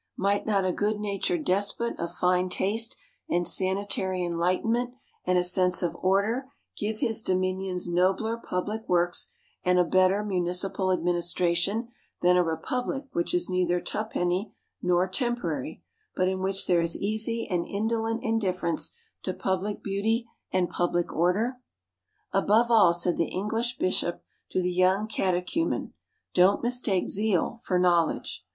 Might not a good natured despot of fine taste and sanitary enlightenment and a sense of order give his dominions nobler public works and a better municipal administration than a republic which is neither tuppenny nor temporary, but in which there is easy and indolent indifference to public beauty and public order? "Above all," said the English bishop to the young catechumen, "don't mistake zeal for knowledge."